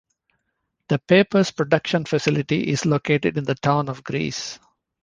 The paper's production facility is located in the town of Greece.